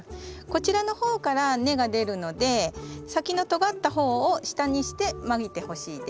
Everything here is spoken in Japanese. こちらの方から根が出るので先のとがった方を下にしてまいてほしいです。